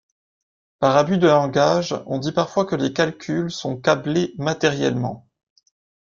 Par abus de langage, on dit parfois que les calculs sont câblés matériellement.